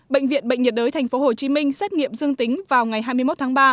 bệnh viện bệnh nhiệt đới tp hcm xét nghiệm dương tính vào ngày hai mươi một tháng ba